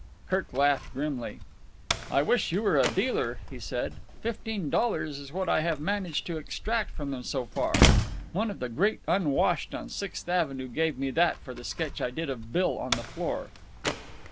Kirk laughed grimly. "I wish you were a dealer," he said. "Fifteen dollars is what I have managed to extract from them so far. One of the Great Unwashed on Sixth Avenue gave me that for that sketch I did of Bill on the floor."